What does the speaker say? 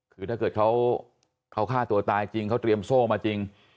คือถ้าเกิดเขาฆ่าตัวตายจริงเขาเตรียมโซ่มาจริง